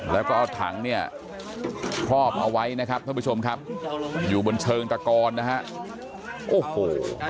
แล้วก็เอาถังเนี่ยครอบเอาไว้นะครับท่านผู้ชมครับอยู่บนเชิงตะกอนนะฮะโอ้โห